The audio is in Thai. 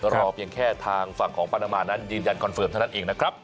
รอเพียงแค่ทางฝั่งของปานามานั้นยืนยันคอนเฟิร์มเท่านั้นเองนะครับ